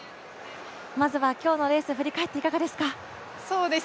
まずは今日のレースを振り返っていかがですか？